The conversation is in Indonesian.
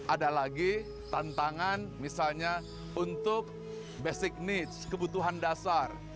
ada lagi tantangan misalnya untuk basic needs kebutuhan dasar